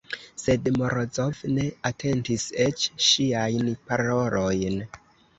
Sed Morozov ne atentis eĉ ŝiajn parolojn.